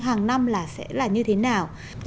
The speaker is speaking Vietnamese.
hàng năm là sẽ là như thế nào